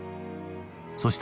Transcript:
そして